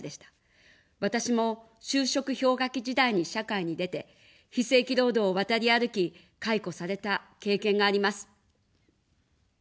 私も就職氷河期時代に社会に出て、非正規労働を渡り歩き、解雇された経験があります。